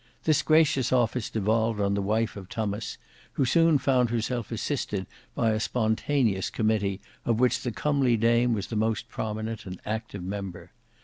This gracious office devolved on the wife of Tummas who soon found herself assisted by a spontaneous committee of which the comely dame was the most prominent and active member.